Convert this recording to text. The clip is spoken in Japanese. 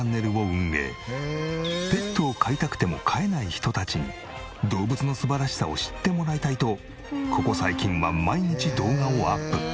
ペットを飼いたくても飼えない人たちに動物の素晴らしさを知ってもらいたいとここ最近は毎日動画をアップ。